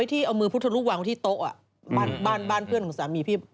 ที่โต๊ะบ้านเพื่อนของสามี